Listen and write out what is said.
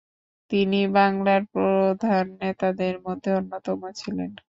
তিনি বাংলার প্রধান নেতাদের মধ্যে অন্যতম ছিলেন।